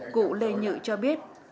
cụ lê nhự cho biết